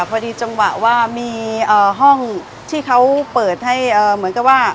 พอดีจังหวะว่ามีห้องที่เขาเปิดให้เหมือนกับว่า